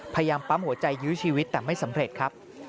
พยายามปั๊มหัวใจยื้อชีวิตแต่ไม่สำเร็จครับ